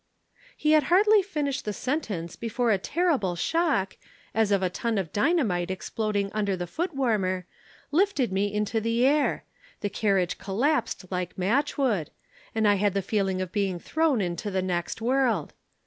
"He had hardly finished the sentence before a terrible shock, as of a ton of dynamite exploding under the foot warmer, lifted me into the air; the carriage collapsed like matchwood, and I had the feeling of being thrown into the next world.